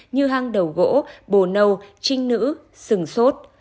như hang đầu gỗ bồ nâu trinh nữ sừng sốt